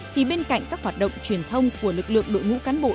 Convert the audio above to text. thì bên cạnh các hoạt động truyền thông của lực lượng đội ngũ cán bộ